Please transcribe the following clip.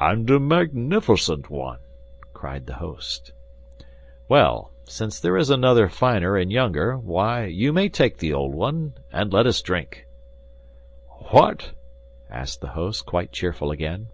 "And a magnificent one!" cried the host. "Well, since there is another finer and younger, why, you may take the old one; and let us drink." "What?" asked the host, quite cheerful again.